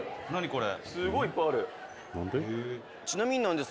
これ」